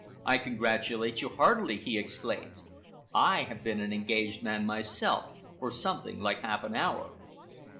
"I congratulate you heartily!" he exclaimed. "I have been an engaged man myself for something like half an hour."